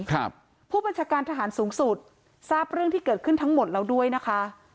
ครับผู้บัญชาการทหารสูงสุดทราบเรื่องที่เกิดขึ้นทั้งหมดแล้วด้วยนะคะ